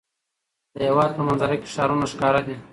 د هېواد په منظره کې ښارونه ښکاره دي.